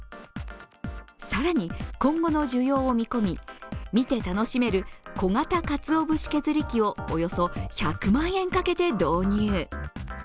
更に今後の需要を見込み見て楽しめる小型かつおぶし削り機をおよそ１００万円かけて導入。